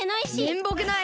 めんぼくない！